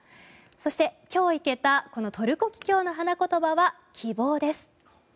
そして、今日生けたこのトルコキキョウの花言葉は希望です。